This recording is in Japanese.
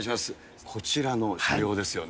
こちらの車両ですよね。